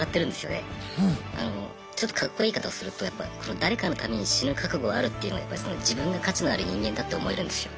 ちょっとカッコいい言い方をすると誰かのために死ぬ覚悟あるっていうのは自分が価値のある人間だって思えるんですよ。